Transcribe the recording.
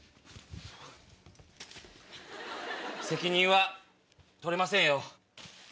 責任は取れませんよ。